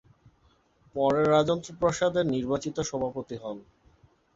পরে রাজেন্দ্র প্রসাদ এর নির্বাচিত সভাপতি হন।